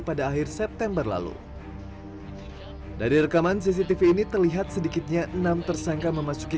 pada akhir september lalu dari rekaman cctv ini terlihat sedikitnya enam tersangka memasuki